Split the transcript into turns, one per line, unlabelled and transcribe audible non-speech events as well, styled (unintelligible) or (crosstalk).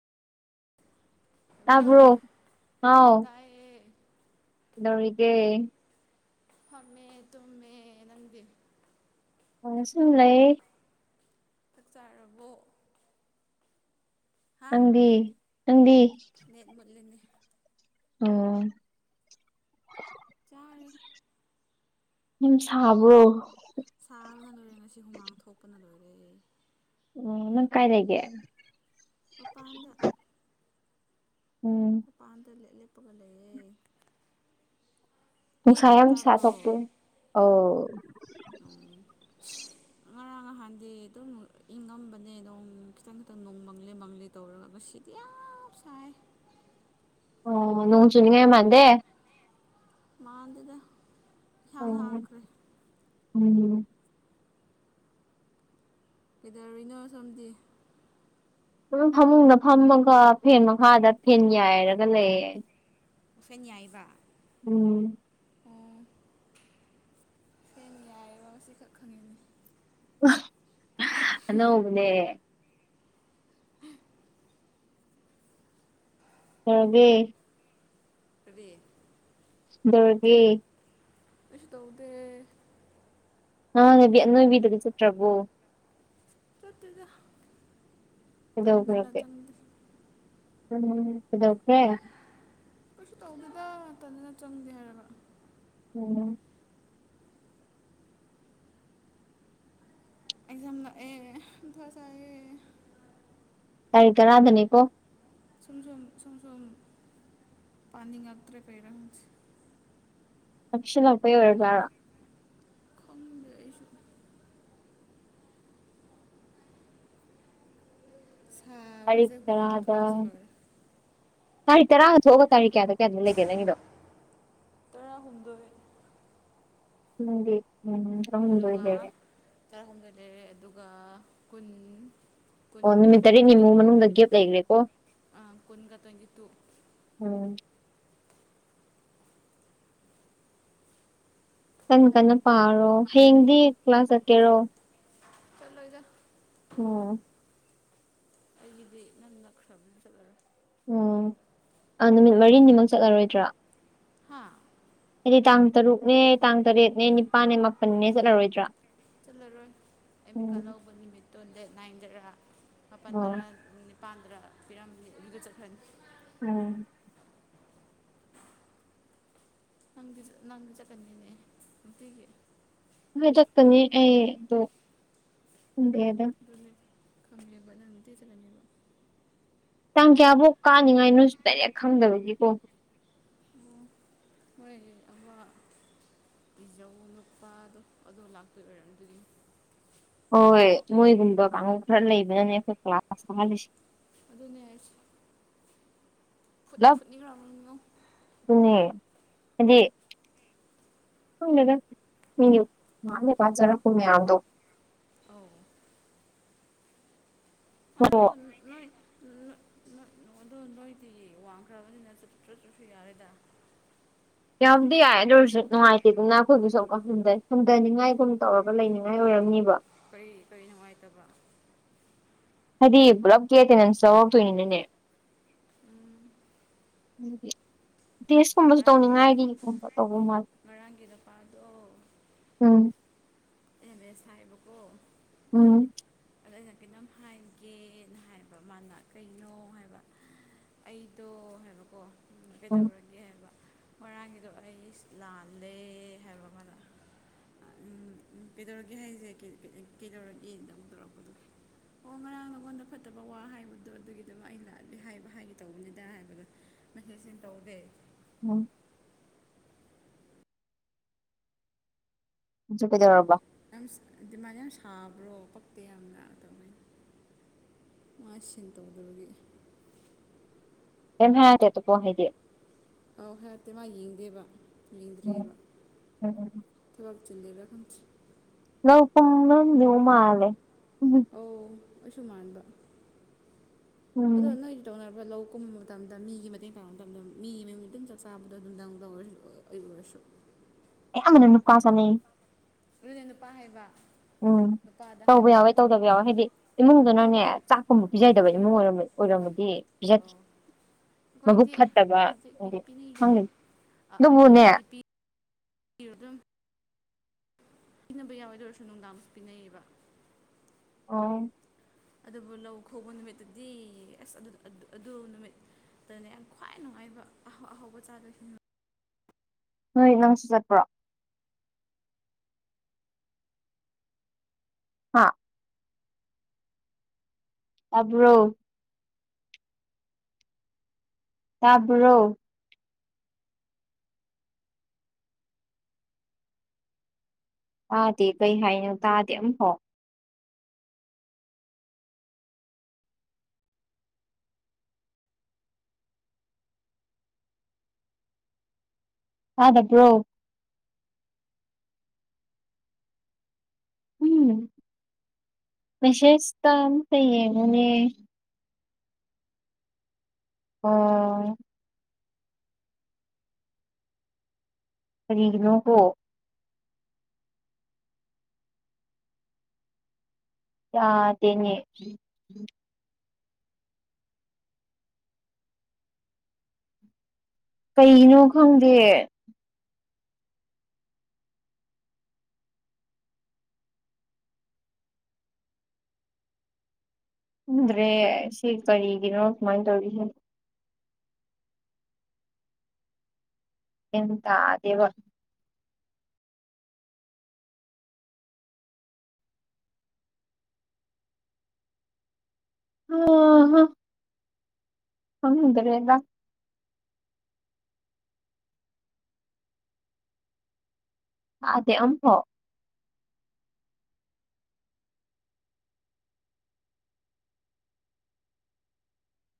Hello
ꯇꯥꯕ꯭ꯔꯣ ꯍꯥꯎ
ꯇꯥꯏꯌꯦ
ꯀꯩꯗꯧꯔꯤꯒꯦ
ꯐꯃꯦ ꯇꯨꯝꯃꯦ ꯅꯪꯗꯤ
ꯑꯁꯨꯝ ꯂꯩꯌꯦ
ꯆꯥꯛ ꯆꯥꯔꯕꯣ ꯍꯥ
ꯅꯪꯗꯤ ꯅꯪꯗꯤ
ꯅꯦꯠ ꯃꯨꯠꯂꯤꯅꯤ
ꯑꯣ
ꯆꯥꯔꯦ
ꯅꯝ ꯁꯥꯕ꯭ꯔꯣ
ꯁꯥꯕꯅ ꯂꯣꯏꯔꯦ ꯉꯁꯤ ꯍꯨꯃꯥꯡ ꯊꯣꯛꯄꯅ ꯂꯣꯏꯔꯦ
ꯎ ꯅꯪ ꯀꯥꯏ ꯂꯩꯒꯦ
ꯃꯄꯥꯟꯗ
ꯎꯝ
ꯃꯄꯥꯟꯗ ꯂꯦꯞ ꯂꯦꯞꯄꯒ ꯂꯩꯑꯦ
ꯅꯨꯡꯁꯥ
ꯈꯣꯟ
ꯌꯥꯝ ꯁꯥꯥ
ꯇꯥꯕ꯭ꯔꯣ
ꯊꯣꯛꯇꯦ ꯑꯣ
ꯎꯝ
(unintelligible)
ꯉꯔꯥꯡ ꯅꯍꯥꯟꯗꯤ ꯑꯗꯨꯝ ꯏꯪꯉꯝꯕꯅꯦ ꯅꯣꯡ ꯈꯤꯇꯪ ꯈꯤꯇꯪ ꯅꯣꯡ ꯃꯪꯂꯤ ꯃꯪꯂꯤ ꯇꯧꯔꯒ ꯁꯤꯗꯤ ꯌꯥꯝ ꯁꯥꯏ
ꯑꯣ ꯅꯣꯡ ꯆꯨꯅꯤꯉꯥꯏ ꯃꯥꯜꯗꯦ
ꯃꯥꯟꯗꯦꯗꯥ
ꯑꯣ
ꯏꯍꯥꯡ ꯍꯥꯡꯈ꯭ꯔꯦ
ꯎꯝ
ꯀꯩꯗꯧꯔꯤꯅꯣ ꯁꯣꯝꯗꯤ
ꯁꯝ ꯐꯃꯨꯡꯗ ꯐꯝꯃꯒ ꯐꯦꯟ ꯃꯈꯥꯗ ꯐꯦꯟ ꯌꯥꯏꯔꯒ ꯂꯩꯌꯦ
ꯐꯦꯜ ꯌꯥꯏꯕ
ꯎꯝ
ꯑꯣ ꯐꯦꯅ ꯌꯥꯏꯌꯣ ꯉꯁꯤꯈꯛ ꯈꯪꯉꯤꯅꯤ
ꯑꯅꯧꯕꯅꯦ
ꯎꯝ
ꯀꯩꯗꯧꯔꯒꯦ
ꯀꯔꯤ
ꯀꯩꯗꯧꯔꯒꯦ
ꯀꯁꯨ ꯇꯧꯗ
ꯅꯕꯤ ꯑꯅꯣꯏꯕꯤꯒ ꯆꯠꯇ꯭ꯔꯕꯣ
ꯆꯠꯇꯦꯗ ꯇꯟꯗꯅ
ꯀꯩꯗꯧꯈ꯭ꯔꯒꯦ
ꯆꯪ
(unintelligible)
ꯀꯩꯁꯨ ꯇꯧꯗꯦꯗ ꯇꯟꯗꯅ ꯆꯪꯗꯦ ꯍꯥꯏꯔꯒ
ꯎꯝ
ꯑꯦꯛꯖꯥꯝ ꯅꯛ ꯑꯦ ꯃꯊꯥ ꯁꯥꯏꯌꯦ
ꯇꯥꯔꯤꯛ ꯇꯔꯥꯗꯅꯤꯀꯣ
ꯁꯨꯝ ꯁꯨꯝ ꯁꯨꯝ ꯁꯨꯝ ꯄꯥꯟꯅꯤꯡꯉꯥꯛꯇ꯭ꯔꯦ ꯀꯩꯔ ꯈꯪꯗꯦ
ꯂꯁ ꯂꯄꯩ ꯑꯣꯏꯔꯕꯥꯔ
ꯈꯪꯗ꯭ꯔꯦ ꯑꯩꯁꯨ
ꯇꯥꯔꯤꯛ
ꯁꯥꯕꯁꯦ ꯍꯨꯃꯥꯡ
ꯇꯔꯥꯗ
ꯊꯣꯛꯄꯁꯨ ꯂꯣꯏꯔꯦ
ꯇꯥꯔꯤꯛ ꯇꯔꯥꯒ ꯊꯣꯛꯑꯒ ꯇꯥꯛ ꯀꯌꯥꯗ ꯀꯌꯥꯝ ꯂꯩꯒꯦ ꯅꯪꯒꯤꯗꯣ
ꯇꯔꯥꯍꯨꯝꯗꯣꯏ
ꯎꯗꯤ ꯎꯝ ꯇꯔꯥꯍꯨꯝꯗꯣꯏ
ꯑꯗꯨꯒ
ꯂꯩꯔꯦ
ꯇꯔꯥꯍꯨꯝꯗꯣꯏ ꯂꯩꯔꯦ ꯑꯗꯨꯒ ꯀꯨꯟ
ꯑꯣ
ꯀꯨꯟꯒ
ꯅꯨꯃꯤꯠ
ꯇ꯭ꯋꯦꯟꯇꯤ ꯇꯨ
ꯇꯔꯦꯠꯅꯤꯃꯨꯛ ꯃꯅꯨꯡꯗ ꯒꯦꯞ ꯂꯩꯒ꯭ꯔꯦꯀꯣ
ꯀꯨꯟꯒ ꯇ꯭ꯋꯦꯟꯇꯤ ꯇꯨ
ꯑ ꯀꯟꯅ ꯀꯟꯅ ꯄꯥꯔꯣ ꯍꯌꯦꯡꯗꯤ ꯀ꯭ꯂꯥꯁ ꯆꯠꯀꯦꯔꯣ
ꯆꯠꯂꯣꯗ
ꯑꯣ
ꯑꯩꯒꯤꯗꯤ ꯅꯪ ꯅꯛꯈ꯭ꯔꯕ ꯆꯠꯂꯔꯣꯏ
ꯑꯣ ꯑꯥ ꯅꯨꯃꯤꯠ ꯃꯔꯤꯅꯤꯃꯛ ꯆꯠꯂꯔꯣꯏꯗ꯭ꯔꯥ
ꯍꯥꯥ
ꯍꯥꯏꯗꯤ ꯇꯥꯡ ꯇꯔꯨꯛꯅꯦ ꯇꯥꯡ ꯇꯔꯦꯠꯅꯦ ꯅꯤꯄꯥꯜꯅꯦ ꯃꯥꯄꯜꯅꯦ ꯆꯠꯂꯔꯣꯏꯗ꯭ꯔꯥ
ꯆꯠꯂꯔꯣꯏ ꯑꯦꯃꯤꯀꯥ
ꯎꯝ
ꯂꯧꯕ ꯅꯨꯃꯤꯠꯇꯣ ꯗꯦꯠ ꯅꯥꯏꯟꯗꯔꯥ
ꯑꯣ
ꯃꯥꯄꯜꯗꯔꯥ ꯄꯥꯟꯗ꯭ꯔ ꯄꯤꯔꯝꯃꯤ ꯑꯗꯨꯒꯗ ꯆꯠꯈꯅꯤ
ꯎꯝ
ꯅꯪ ꯅꯪꯗꯤ ꯆꯠꯀꯅꯤꯅꯦ ꯑꯒꯤ
ꯍꯥꯏ ꯆꯠꯀꯅꯤ ꯑꯩꯗꯣ ꯄꯨꯡ ꯀꯌꯥꯗ
ꯈꯪꯗ꯭ꯔꯦ (unintelligible) ꯆꯠꯅꯕꯤꯗꯣ
ꯇꯥꯡ ꯀꯌꯥꯐꯧ ꯀꯥꯅꯤꯡꯉꯥꯏ ꯅꯣꯏꯁꯨ ꯗꯥꯏꯔꯦꯛ ꯈꯪꯗꯕꯒꯤꯀꯣ
ꯑꯣ ꯃꯣꯏ ꯑ ꯏꯤꯖꯧ ꯅꯨꯄꯥꯗꯣ ꯑꯗꯣ ꯂꯥꯛꯇꯣꯏ ꯑꯣꯏꯔꯝꯗꯅꯤ
ꯍꯣꯏ ꯍꯣꯏ ꯃꯣꯏꯒꯨꯝꯕ ꯀꯥꯡ ꯈꯔ ꯂꯩꯕꯅꯅꯦ ꯑꯩꯈꯣꯏ ꯀ꯭ꯂꯥꯁ ꯇꯥꯍꯜꯂꯤꯁꯦ
ꯑꯗꯨꯅꯦ ꯐꯨꯠꯅꯤ ꯐꯨꯠꯅꯤꯈ꯭ꯔꯕꯨ
ꯑꯗꯨꯅꯦ ꯍꯥꯏꯗꯤ ꯍꯗ ꯃꯤ ꯃꯥꯃꯤꯦ ꯄꯥꯁꯖꯔ ꯀꯃ ꯌꯥꯗꯣ
ꯑꯥꯎ
ꯑꯣ
ꯑꯗꯕꯨ ꯅꯣꯏꯗꯣ ꯅꯣꯏꯗꯤ ꯋꯥꯡꯈ꯭ꯔꯕꯅꯤꯅ ꯆ ꯆꯠ ꯆꯠꯁꯨ ꯌꯥꯔꯦꯗ
ꯌꯥꯝꯗꯤ ꯌꯥꯏ ꯑꯗꯨ ꯑꯣꯏꯔꯁꯨ ꯅꯨꯡꯉꯥꯏꯇꯦꯗꯅ ꯑꯩꯈꯣꯏꯒꯤꯁꯨ ꯑꯃꯨꯛꯀ ꯍꯟꯊꯩ ꯍꯟꯊꯅꯤꯡꯉꯥꯏꯒꯨꯝ ꯇꯧꯔꯒ ꯂꯩꯅꯤꯡꯉꯥꯏ ꯑꯣꯏꯔꯝꯅꯤꯕ
ꯀꯔꯤ ꯀꯔꯤ ꯅꯨꯡꯉꯥꯏꯇꯕ
ꯍꯥꯏꯗꯤ ꯄꯨꯂꯞꯀꯤ ꯑꯦꯇꯦꯟꯗꯦꯟꯁ ꯌꯥꯎꯔꯛꯇꯣꯏꯅꯤꯅꯅꯦ
ꯎꯝ
ꯎꯝ ꯇꯦꯁꯀꯨꯝꯕꯁꯨ
ꯉꯔꯥꯡꯒꯤꯗꯣ
ꯇꯧꯅꯤꯡꯉꯥꯏꯒꯤꯒꯨꯝꯕ ꯇꯧꯕ ꯃꯥꯜꯂꯤ
ꯉꯔꯥꯡꯒꯤ
ꯎꯝ
ꯑꯦꯃꯦ ꯑꯦꯁꯥꯏꯕꯀꯣ
ꯎꯝ
ꯑꯗꯣ ꯑꯩꯅ ꯀꯔꯤꯇꯝ ꯍꯥꯏꯒꯦꯅ ꯍꯥꯏꯕ ꯃꯥꯅ ꯀꯩꯅꯣ ꯍꯥꯏꯕ ꯑꯩꯗꯣ ꯍꯥꯏꯕꯀꯣ
ꯎꯝ
ꯀꯩꯗꯧꯔꯒꯦ ꯍꯥꯏꯕ ꯃꯔꯣꯏꯔꯥꯡꯒꯤꯗꯣ ꯑꯩ ꯂꯥꯜꯂꯦ ꯍꯥꯏꯕ ꯑꯃꯅ ꯎꯝ ꯀꯩꯗꯧꯔꯒꯦ ꯍꯥꯏꯁꯦ ꯀꯩꯗꯧꯔꯒꯦꯗ ꯑꯃꯨ ꯇꯧꯔꯛꯄꯗꯣ ꯑꯣ ꯉꯔꯥꯡ ꯅꯉꯣꯟꯗ ꯐꯠꯇꯕ ꯋꯥ ꯍꯥꯏꯕꯗꯣ ꯑꯗꯨꯒꯤꯗꯨꯃꯛ ꯑꯩ ꯂꯥꯛꯂ ꯍꯥꯏꯕ ꯍꯥꯏꯒꯦ ꯇꯧꯕꯅꯤꯗ ꯍꯥꯏꯕꯗꯣ ꯃꯁꯦꯠꯟ ꯇꯧꯗꯦ
ꯎꯝ ꯀꯗꯧꯔꯔꯕꯕꯥ
ꯗꯤꯃꯥꯟ ꯌꯥꯝ ꯁꯥꯕ꯭ꯔꯣ ꯄꯛꯇꯦ ꯌꯥꯝꯅ ꯑꯗꯨꯝꯃꯥꯏꯅ ꯃꯥꯟ ꯇꯧꯗꯒꯦ
ꯀꯩ ꯍꯥꯏꯔꯒꯦꯠꯇꯀꯣ ꯍꯥꯏꯗꯤ
ꯑꯧ ꯍꯔꯠꯇꯦ ꯃꯥ ꯌꯦꯡꯗꯦꯕ
ꯎꯝ
ꯌꯦꯡꯗ꯭ꯑꯔꯤꯕ
ꯎꯝ
ꯊꯂꯥꯛ ꯆꯤ ꯂꯩꯔ ꯈꯪꯁꯤ
ꯂꯧꯕ ꯄ ꯅ ꯃꯥꯂꯦ
ꯁꯨꯃꯥꯟꯗ ꯑꯗ
ꯎꯝ
ꯇꯧꯅꯕ꯭ꯔ ꯂꯧ ꯀꯨꯝꯕ ꯃꯇꯝꯗ ꯃꯤꯒꯤ ꯃꯇꯦꯡ ꯄꯥꯡꯕ ꯃꯇꯝꯗ ꯃꯤꯒꯤ ꯃꯌꯨꯝꯗ ꯗꯨꯝ ꯆꯥꯛ ꯆꯥꯕꯗꯣ (unintelligible) ꯑꯩꯕꯁꯨꯝ
ꯑꯌꯥꯝꯕꯅ ꯅꯨꯄꯥ ꯁꯥꯟꯅꯩ
ꯔꯨꯅ ꯅꯨꯄꯥ ꯍꯥꯏꯕ
ꯎꯝ
ꯅꯨꯄꯥꯗ
ꯇꯧꯕ ꯌꯥꯎꯋꯦ
ꯍꯥꯏꯕꯅꯦꯕ
ꯇꯧꯗꯕ ꯌꯥꯎꯋꯦ ꯍꯥꯏꯗꯤ ꯏꯃꯨꯡꯗꯨꯅꯅꯦ ꯆꯥꯛꯀꯨꯝꯕ ꯄꯤꯖꯗꯕ ꯏꯃꯨꯡ ꯑꯣꯏꯔꯝꯃꯗꯤ ꯑꯣꯏꯔꯝꯃ ꯗ ꯄꯠ
ꯑꯈꯣꯏꯗꯤ ꯄꯤꯄꯤ ꯄꯤꯕꯤ
ꯈꯪꯗꯦ
ꯑꯥ
ꯑꯗꯨꯕꯨꯅꯦ
ꯑꯌꯨꯛꯇꯗꯤ ꯄꯤ ꯄ ꯑꯗꯨꯝ ꯄꯤꯅꯕ ꯌꯥꯏꯣꯏꯗ ꯑꯣꯏꯔꯁꯨ ꯅꯨꯡꯗꯥꯡ ꯄꯤꯅꯩꯌꯦꯕ
ꯑꯣ
ꯑꯗꯨꯕꯨ ꯂꯧ ꯈꯧꯕ ꯅꯨꯃꯤꯠꯇꯗꯤ ꯑꯁ ꯑꯗꯨ ꯑꯗꯨ ꯅꯨꯃꯤꯠ ꯇꯅ ꯌꯥꯝ ꯈ꯭ꯋꯥꯏ ꯅꯨꯡꯉꯥꯏꯕ ꯑꯍꯥꯎꯧꯕ ꯆꯥꯗꯣꯏꯁꯤꯟꯕ
ꯅꯣꯏ ꯅꯪꯁꯨ ꯆꯠꯄ꯭ꯔꯣ ꯍꯥꯥ ꯇꯥꯕ꯭ꯔꯣ ꯇꯥꯕ꯭ꯔꯣ ꯇꯥꯗꯦ ꯀꯩ ꯍꯥꯏꯅꯣ ꯇꯥꯗꯦ ꯑꯃꯝꯐꯥꯎ ꯍ ꯗꯕ꯭ꯔꯣ ꯎꯝ ꯃꯦꯁꯦꯁꯇ ꯑꯝꯇ ꯌꯦꯡꯉꯨꯅꯦ ꯑꯣ ꯀꯅꯣ ꯍꯣ ꯌꯥꯗꯦꯅꯦ꯫ ꯀꯩꯅꯣ ꯈꯪꯗꯦ꯫ ꯎꯗ꯭ꯔꯦ ꯁꯤ ꯀꯔꯤꯒꯤꯅꯣ ꯀꯃꯥꯏꯅ ꯇꯧꯔꯤꯁꯤ꯫ ꯒꯌ꯭ꯥꯟ ꯇꯗꯦꯕ꯫ (inaudible) ꯈꯪꯗꯔ꯭ꯦꯗꯥ꯫ ꯑꯗꯦ ꯑꯝꯕ